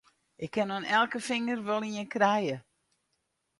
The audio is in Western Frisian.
Ik kin oan elke finger wol ien krije!